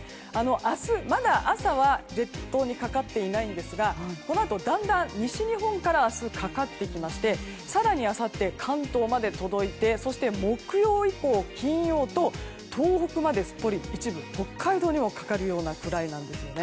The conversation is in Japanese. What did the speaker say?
明日、まだ朝は列島にかかっていないんですがこのあと、だんだん西日本から明日かかってきまして更にあさって関東まで届いて木曜以降、金曜と東北まですっぽり、一部北海道にかかるくらいなんです。